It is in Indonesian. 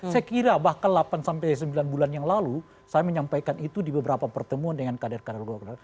saya kira bahkan delapan sampai sembilan bulan yang lalu saya menyampaikan itu di beberapa pertemuan dengan kader kader demokrat